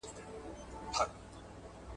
هغوی د خپلو سیمو حال لیکي.